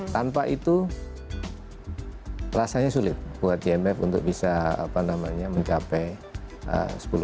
tanpa itu rasanya sulit buat gmf untuk bisa mencapai sepuluh persen